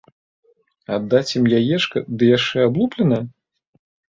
Аддаць ім яечка ды яшчэ аблупленае?